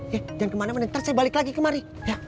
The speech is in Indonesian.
ya jangan kemana mana nanti saya balik lagi kemari